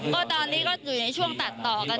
ก็ตอนนี้ก็อยู่ในช่วงตัดต่อกัน